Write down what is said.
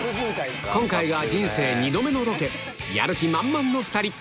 今回が人生２度目のロケやる気満々の２人！